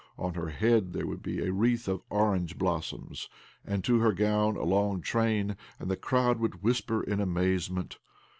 On her head there would be a wreath of ' Ells. OBLOMOV 20I orange blossoms, and to her gown a long train, and the crowd would whisper in amazement.